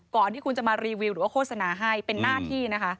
ก่อนที่คุณจะมารีวิวหรือว่าโฆษณาให้เป็นหน้าที่นะคะ